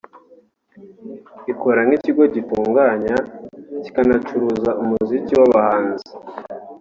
Ikora nk’ikigo gitunganya kikanacuruza umuziki w’abahanzi